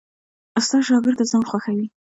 استاد شاګرد ته ځان خوښوي.